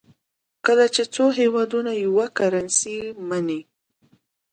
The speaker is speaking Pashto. کله چې څو هېوادونه یوه کرنسي مني.